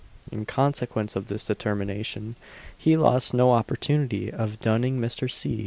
In consequence of this determination, he lost no opportunity of dunning Mr. C.